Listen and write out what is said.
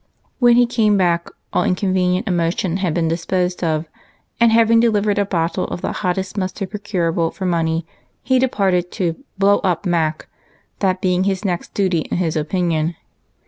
When he came back all inconvenient emotion had been disposed of, and, having delivered a box of the hottest mustard procurable for money, he departed to " blow up " Mac, that being his next duty in his ojiin ion.